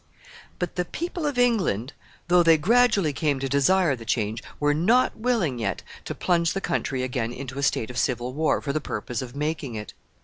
But the people of England, though they gradually came to desire the change, were not willing yet to plunge the country again into a state of civil war for the purpose of making it.